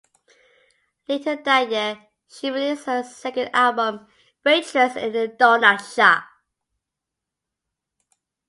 Later that year, she released her second album, "Waitress in a Donut Shop".